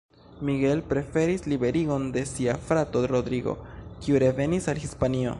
Miguel preferis liberigon de sia frato Rodrigo, kiu revenis al Hispanio.